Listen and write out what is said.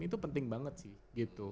itu penting banget sih gitu